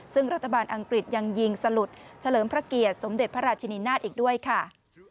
ซึ่งรัฐบาลอังกฤษยังยิงสลุดเฉลิมพระเกียรติสมเด็จพระราชินีนาฏอีกด้วยค่ะ